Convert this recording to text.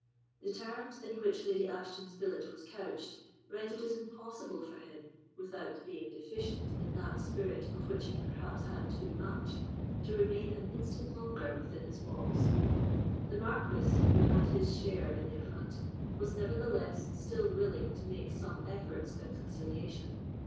The terms in which Lady Ashton's billet was couched rendered it impossible for him, without being deficient in that spirit of which he perhaps had too much, to remain an instant longer within its walls. The Marquis, who had his share in the affront, was, nevertheless, still willing to make some efforts at conciliation.